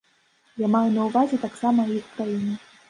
Я маю на ўвазе таксама і іх краіну.